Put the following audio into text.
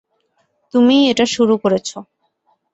তুমিই এটা শুরু করেছ।